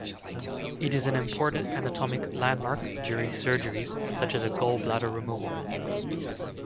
It is an important anatomic landmark during surgeries such as gall bladder removal.